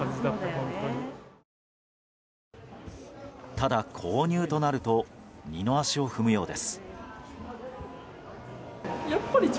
ただ、購入となると二の足を踏むようです。